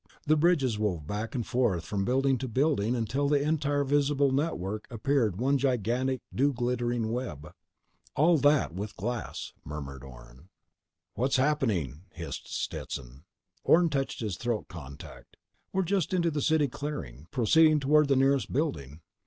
The bridges wove back and forth from building to building until the entire visible network appeared one gigantic dew glittering web. "All that with glass," murmured Orne. "What's happening?" hissed Stetson. Orne touched his throat contact. _"We're just into the city clearing, proceeding toward the nearest building."